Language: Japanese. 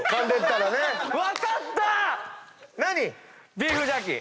ビーフジャーキー。